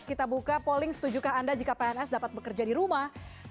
kita buka polling setujukah anda jika pns dapat bekerja di rumah